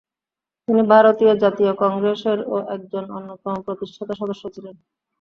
তিনি ভারতীয় জাতীয় কংগ্রেসেরও একজন অন্যতম প্রতিষ্ঠাতা-সদস্য ছিলেন।